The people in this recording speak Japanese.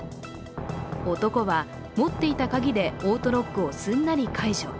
男は、持っていた鍵でオートロックをすんなり解除。